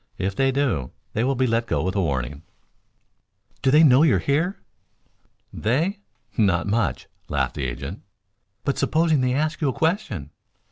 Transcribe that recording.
If they do, they will be let go with a warning." "Do they know you're here?" "They? Not much," laughed the agent. "But supposing they ask you a question?"